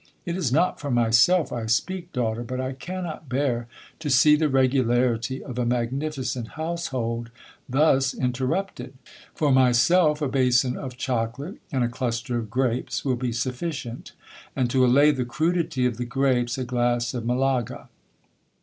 It is not for myself I speak, daughter, but I cannot bear to see the regularity of a magnificent household thus interrupted; for myself, a basin of chocolate, and a cluster of grapes, will be sufficient; and to allay the crudity of the grapes, a glass of Malaga.